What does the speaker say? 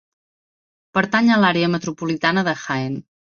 Pertany a l'Àrea Metropolitana de Jaén.